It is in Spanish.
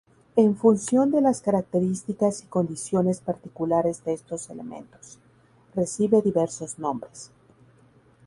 En función de las características y condiciones particulares de estos elementos, recibe diversos nombres.